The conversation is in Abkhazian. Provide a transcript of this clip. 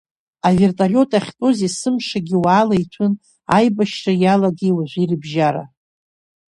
Аверталиот ахьтәоз есымшагьы уаала иҭәын аибашьра иалагеи уажәи рыбжьара.